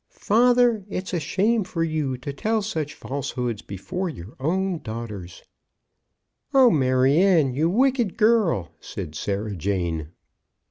"Father, it's a shame for you to tell such falsehoods before your own daughters." "Oh, Maryanne! you wicked girl!" said Sarah Jane.